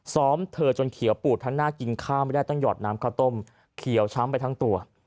เธอจนเขียวปูดทั้งหน้ากินข้าวไม่ได้ต้องหยอดน้ำข้าวต้มเขียวช้ำไปทั้งตัว